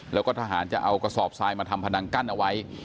แล้วก็ทหารจะเอากระสอบทรายมาทำพนังกั้นเอาไว้